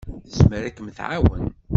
Tezmer ad kem-tɛawen.